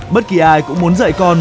bất kỳ ai cũng muốn dạy con